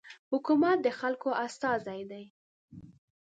حکومت د خلکو استازی دی.